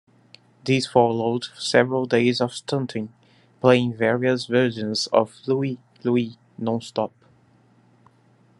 This followed several days of stunting, playing various versions of "Louie, Louie" nonstop.